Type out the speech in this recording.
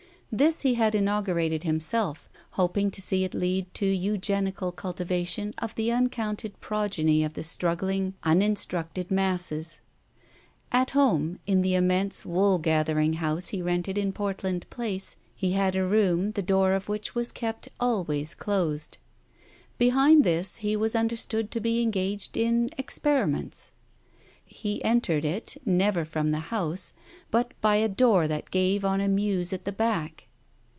This he had inaugurated himself, hoping to see it lead to Eugenical cultivation of the uncounted progeny of the struggling, uninstructed masses. At home, in the immense wool gathering house he rented in Portland Place, he had a room the door of which was kept always closed. Behind this he was understood to be engaged in "experiments." He entered it, never from the house, but by a door that gave on a mews at the back.